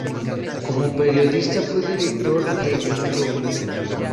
Como periodista fue director de "El Globo".